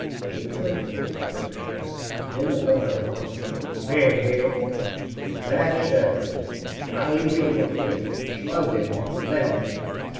You'd better get the fust shot.' "Then the fool hollers, 'Redhead!' "Thet settled him. I leaps over QUICK, slugged him one lefthanded.